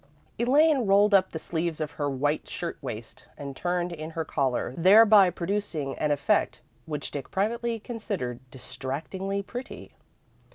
Elaine rolled up the sleeves of her white shirt waist, and turned in her collar, thereby producing an effect which Dick privately considered distractingly pretty.